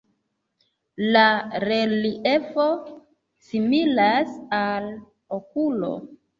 La reliefo similas al okulo.